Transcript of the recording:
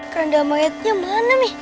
keranda mayatnya mana mi